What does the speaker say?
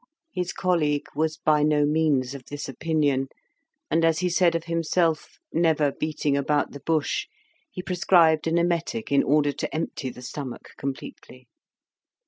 His colleague was by no means of this opinion, and, as he said of himself, "never beating about the bush," he prescribed, an emetic in order to empty the stomach completely.